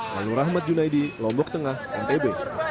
lalu rahmat junaidi lombok tengah ntb